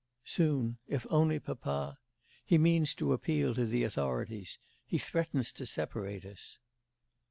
'Soon... if only papa. He means to appeal to the authorities; he threatens to separate us.